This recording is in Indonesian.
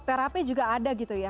terapi juga ada gitu ya